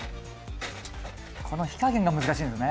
この火加減が難しいんですね